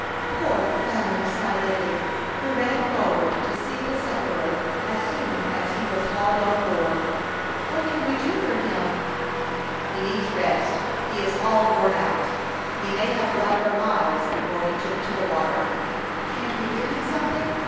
"Poor fellow!" sighed Lily, who ran forward to see the sufferer as soon as he was hauled on board. "What can we do for him?" "He needs rest. He is all worn out. He may have run for miles before he took to the water." "Can't we give him something?